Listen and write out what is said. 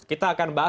kita akan bahas